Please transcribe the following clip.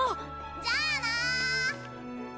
じゃあな！